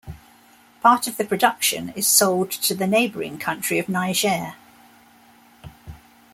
Part of the production is sold to the neighbouring country of Niger.